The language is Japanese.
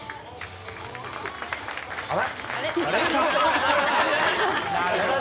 あれ？